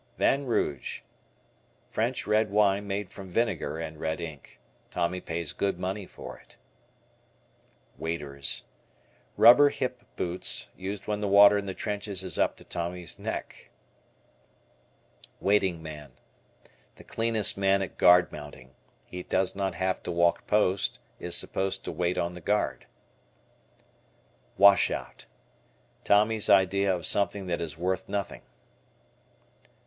Vin Rouge. French red wine made from vinegar and red ink. Tommy pays good money for it. W Waders. Rubber hip boots, used when the water in the trenches is up to Tommy's neck. Waiting Man. The cleanest man at guard mounting. He does not have to walk post; is supposed to wait on the guard. Washout. Tommy's idea of something that is worth nothing.